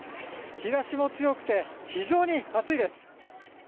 日差しも強くて非常に暑いです。